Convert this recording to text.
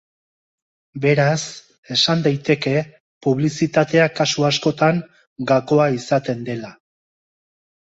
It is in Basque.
Beraz, esan daiteke publizitatea kasu askotan gakoa izaten dela.